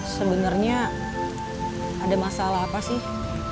sebenarnya ada masalah apa sih